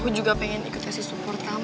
rev aku juga pengen ikut kasih support kamu